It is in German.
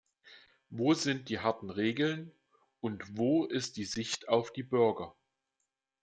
Wo sind die harten Regeln und wo ist die Sicht auf die Bürger?